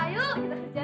yuk kita makan dulu yuk